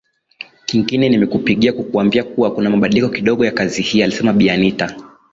Kingine nimekupigia kukuambia kuwa kuna mabadiliko kidogo ya kazi hii alisema bi anita